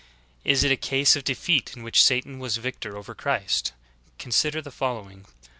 Is it a case of defeat in which Satan was victor over Christ? Consider the following.